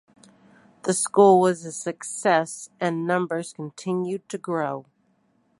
The school was a success and numbers continued to grow.